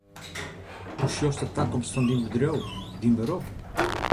Hoe sjochst de takomst fan dyn bedriuw, dyn berop?